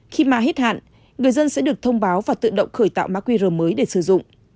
khi mà hết hạn người dân sẽ được thông báo và tự động khởi tạo mã qr mới để sử dụng